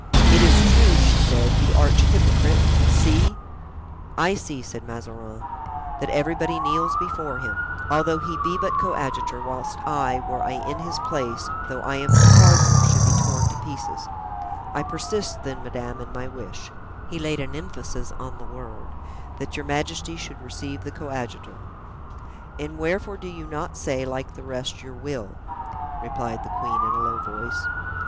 "It is true," she said, "the arch hypocrite—see!" "I see," said Mazarin, "that everybody kneels before him, although he be but coadjutor, whilst I, were I in his place, though I am cardinal, should be torn to pieces. I persist, then, madame, in my wish" (he laid an emphasis on the word), "that your majesty should receive the coadjutor." "And wherefore do you not say, like the rest, your will?" replied the queen, in a low voice.